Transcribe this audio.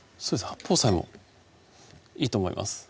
八宝菜もいいと思います